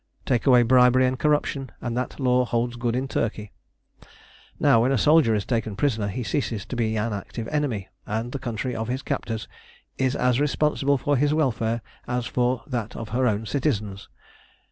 Take away bribery and corruption and that law holds good in Turkey. Now when a soldier is taken prisoner he ceases to be an active enemy, and the country of his captors is as responsible for his welfare as for that of her own citizens.